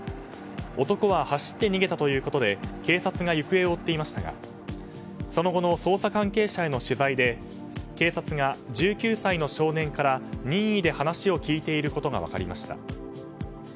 男は走って逃げたということで警察が行方を追っていましたがその後の捜査関係者への取材で警察が１９歳の少年から任意で話を聞いていることが分かりました。